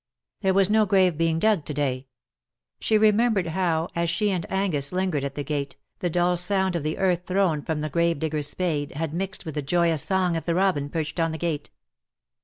There was no grave being dug to day. She re membered how, as she and Angus lingered at the gate, the dull sound of the earth thrown from the gravedigger^s spade had mixed with the joyous song of the robin perched on the gate.